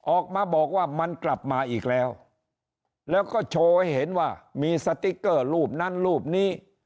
ออกมาบอกว่ามันกลับมาอีกแล้วแล้วก็โชว์ให้เห็นว่ามีสติ๊กเกอร์รูปนั้นรูปนี้